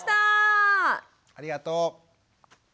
ありがとう。